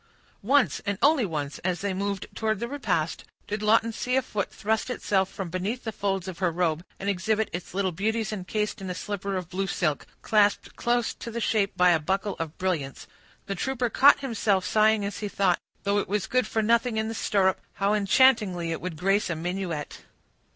Once, and once only, as they moved towards the repast, did Lawton see a foot thrust itself from beneath the folds of her robe, and exhibit its little beauties encased in a slipper of blue silk, clasped close to the shape by a buckle of brilliants. The trooper caught himself sighing as he thought, though it was good for nothing in the stirrup, how enchantingly it would grace a minuet.